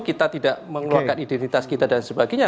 kita tidak mengeluarkan identitas kita dan sebagainya